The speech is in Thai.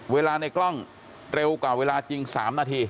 ในกล้องเร็วกว่าเวลาจริง๓นาที